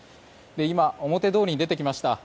今、表通りに出てきました。